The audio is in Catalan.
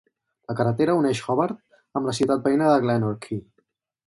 La carretera uneix Hobart amb la ciutat veïna de Glenorchy.